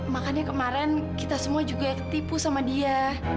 makanya kemarin kita semua juga ketipu sama dia